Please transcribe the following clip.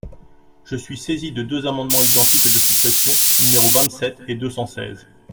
Je suis saisie de deux amendements identiques de suppression, numéros vingt-sept et deux cent seize.